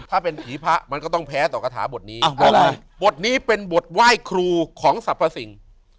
ถ้าเป็นผีพระมันก็ต้องแพ้ต่อกาถาบทนี้บทนี้เป็นบทไว้ครูของสรรพสิงฆ์